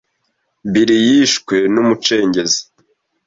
Bill yishwe numucengezi.